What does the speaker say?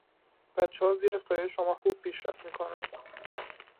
بچه ها زیر سایه شما خوب پیشرفت می کنند.